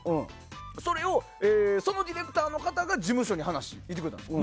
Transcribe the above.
それをそのディレクターの方が事務所に話をしてくれたんです。